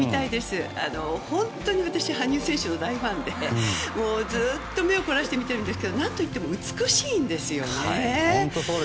本当に私、羽生選手の大ファンでずっと目を凝らして見てるんですけど何といっても美しいんですよね。